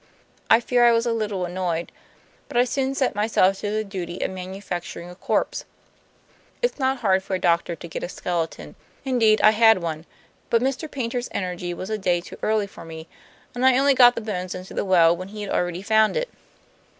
I fear I was a little annoyed, but I soon set myself to the duty of manufacturing a corpse. It's not hard for a doctor to get a skeleton; indeed, I had one, but Mr. Paynter's energy was a day too early for me, and I only got the bones into the well when he had already found it.